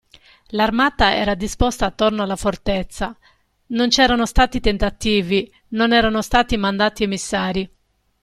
L'armata era disposta attorno alla fortezza, non c'erano stati tentativi, non erano stati mandati emissari.